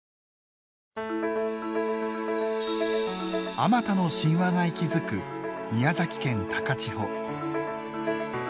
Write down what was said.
あまたの神話が息づく宮崎県高千穂。